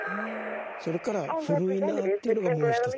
それから古いなというのがもう一つ。